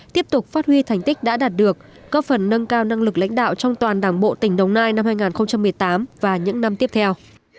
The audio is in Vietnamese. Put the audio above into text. tiếp tục phát huy thành tích đã đạt được góp phần nâng cao năng lực lãnh đạo trong toàn đảng bộ tỉnh đồng nai năm hai nghìn một mươi tám và những năm tiếp theo